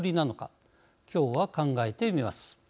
今日は考えてみます。